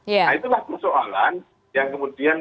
nah itulah persoalan yang kemudian